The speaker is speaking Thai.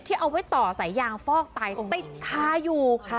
เอาไว้ต่อสายยางฟอกไตติดคาอยู่